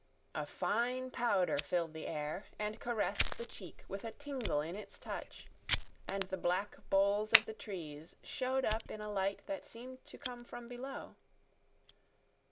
A fine powder filled the air and caressed the cheek with a tingle in its touch, and the black boles of the trees showed up in a light that seemed to come from below.